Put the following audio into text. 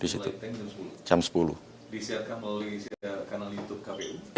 disiarkan melalui kanal youtube kpu